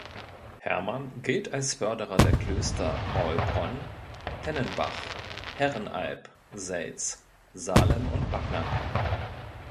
Hermann gilt als Förderer der Klöster Maulbronn, Tennenbach, Herrenalb, Selz, Salem und Backnang.